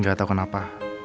gak tau kenapa